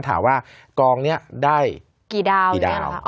ถามว่ากองนี้ได้กี่ดาวนั้น